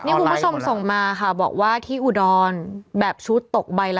นี่คุณผู้ชมส่งมาค่ะบอกว่าที่อุดรแบบชุดตกใบละ